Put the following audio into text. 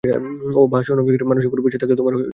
ওহ, বাহ, শোনো, মানুষের পরিবেশে থাকলে, তোমার ভালো লাগবে।